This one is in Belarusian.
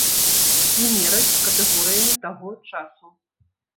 І мераць катэгорыямі таго часу.